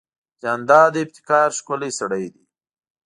جانداد د ابتکار ښکلی سړی دی.